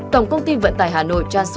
tổng công ty vận tải hà nội trang soko